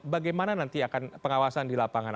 bagaimana nanti akan pengawasan di lapangan